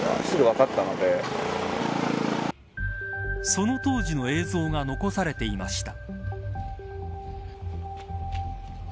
その当時の映像が残されていました。